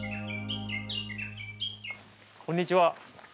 こんにちは。